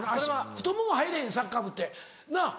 太もも入れへんサッカー部って。なぁ？